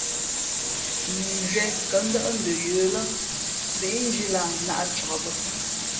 Mʉnzhwīē kα̌ ndάʼ ndə yə̌ lά síʼnzhī lah nāʼ cak bᾱ.